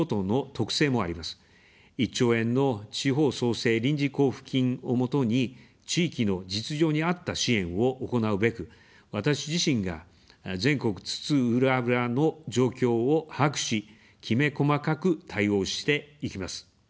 １兆円の地方創生臨時交付金を基に、地域の実情に合った支援を行うべく、私自身が全国津々浦々の状況を把握し、きめ細かく対応していきます。